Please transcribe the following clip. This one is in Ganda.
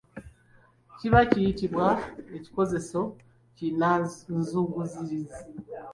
Kiba kiyitiwa ekikozeso kinnanzungirizi .